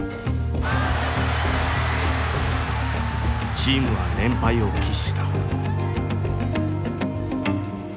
チームは連敗を喫した。